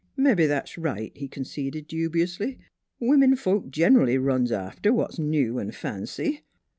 " Mebbe that's right," he conceded dubiously; " wimin folks gen'ally runs after what's new an' fancy.